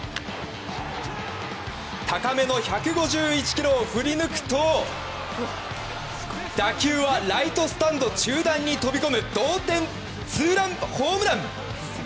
高めの１５１キロを振りぬくと打球はライトスタンド中段に飛び込む同点ツーランホームラン！